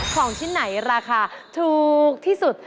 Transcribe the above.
ของชิ้นไหนราคาถูกที่สุด